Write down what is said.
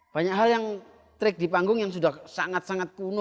banyak hal yang trik di panggung yang sudah sangat sangat kuno